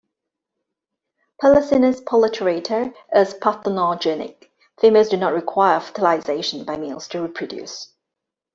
"Pelecinus polyturator" is parthenogenic; females do not require fertilization by males to reproduce.